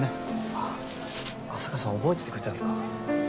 あっ浅川さん覚えててくれたんすか？